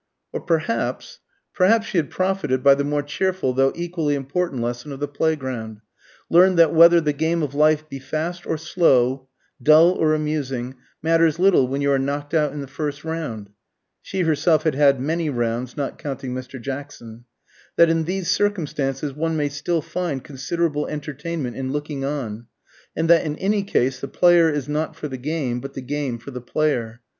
Or perhaps perhaps she had profited by the more cheerful though equally important lesson of the playground; learned that whether the game of life be fast or slow, dull or amusing, matters little when you are knocked out in the first round (she herself had had many rounds, not counting Mr. Jackson); that in these circumstances one may still find considerable entertainment in looking on; and that in any case the player is not for the game, but the game for the player.